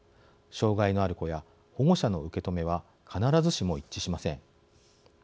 障害のある子や保護者の受け止めは必ずしも一致しません。